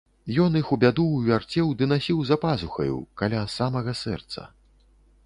Ён іх у бяду ўвярцеў ды насіў за пазухаю, каля самага сэрца.